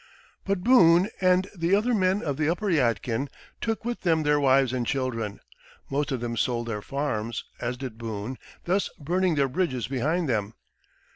But Boone and the other men of the upper Yadkin took with them their wives and children; most of them sold their farms, as did Boone, thus burning their bridges behind them.